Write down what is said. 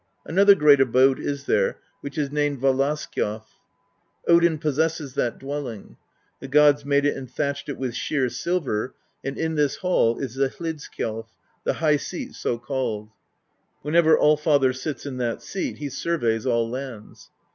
Another great abode is there, which is named Valaskjalf;^ Odin possesses that dwelling; the gods made it and thatched it with sheer silver, and in this hall is the Hlidskjalf,^ the high seat so called. Whenever AUfather sits in that seat, he surveys all lands.